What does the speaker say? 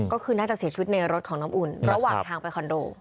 ก็คือน่าจะเสียชีวิตในรถของน้ำอุ่นระหว่างทางไปคอนโด